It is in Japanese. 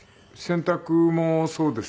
洗濯もそうですね。